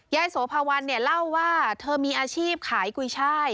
โสภาวันเนี่ยเล่าว่าเธอมีอาชีพขายกุยช่าย